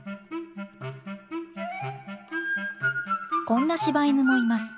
こんな柴犬もいます。